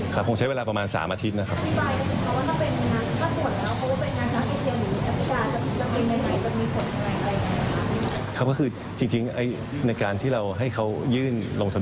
คงใช้เวลาประมาณ๓อาทิตย์นะครับ